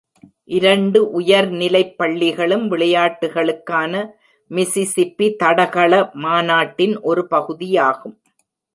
இரண்டு உயர்நிலைப் பள்ளிகளும் விளையாட்டுகளுக்கான மிசிசிப்பி தடகள மாநாட்டின் ஒரு பகுதியாகும்.